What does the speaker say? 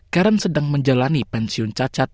karen sedang menjalani pensiun cacat